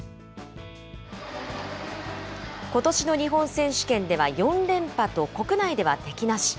ことしの日本選手権では、４連覇と、国内では敵なし。